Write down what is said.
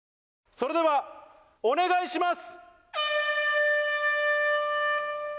それではお願いします！